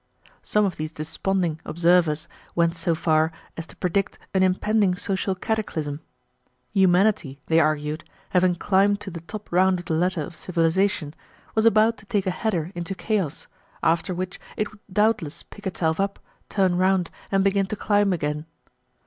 Some of these desponding observers went so far as to predict an impending social cataclysm. Humanity, they argued, having climbed to the top round of the ladder of civilization, was about to take a header into chaos, after which it would doubtless pick itself up, turn round, and begin to climb again.